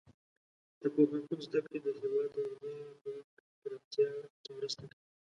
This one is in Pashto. د پوهنتون زده کړې د هیواد د علمي ځواک پراختیا کې مرسته کوي.